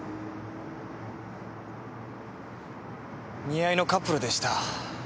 似合いのカップルでした。